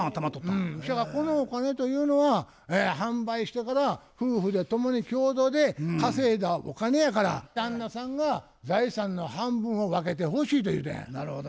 このお金というのは販売してから夫婦で共に共同で稼いだお金やから旦那さんが財産の半分を分けてほしいと言うてん。